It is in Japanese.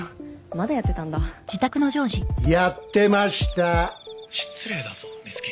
まだやってたんだやってました「失礼だぞ瑞貴」